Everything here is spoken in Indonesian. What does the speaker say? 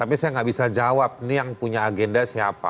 tapi saya nggak bisa jawab nih yang punya agenda siapa